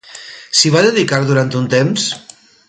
S'hi va dedicar durant un temps?